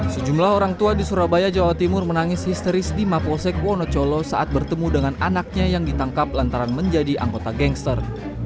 sejumlah orang tua di surabaya jawa timur menangis histeris di mapolsek wonocolo saat bertemu dengan anaknya yang ditangkap lantaran menjadi anggota gangster